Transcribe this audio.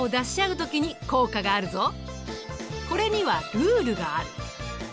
これにはルールがある。